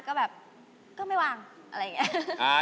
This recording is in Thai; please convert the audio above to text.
ก็แบบก็ไม่วางอะไรอย่างนี้